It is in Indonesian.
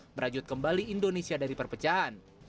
merajut kembali indonesia dari perpecahan